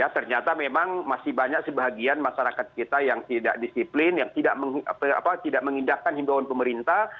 ternyata memang masih banyak sebagian masyarakat kita yang tidak disiplin yang tidak mengindahkan himbawan pemerintah